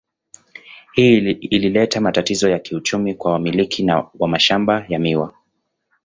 Hii ilileta matatizo ya kiuchumi kwa wamiliki wa mashamba ya miwa.